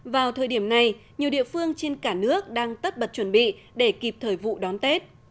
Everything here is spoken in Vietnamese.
vào thời điểm này nhiều địa phương trên cả nước đang tất bật chuẩn bị để kịp thời vụ đón tết